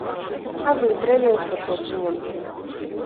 А выйгралі эстафету немкі.